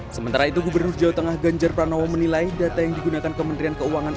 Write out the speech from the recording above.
sementara itu gubernur jawa tengah ganjar pranowo menilai data yang digunakan kementerian keuangan